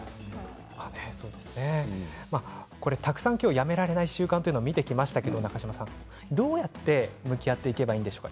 たくさん今日やめられない習慣を見てきましたけどどうやって向き合っていけばいいんでしょうか？